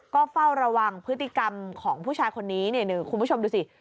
ก็เฝ้าระวังพฤติกรรมของผู้ชายคนนี้เนี่ยคุณผู้ชมดูสิ